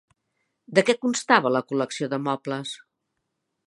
De què constava la col·lecció de mobles?